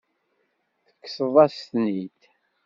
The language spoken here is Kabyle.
Tekkseḍ-as-ten-id.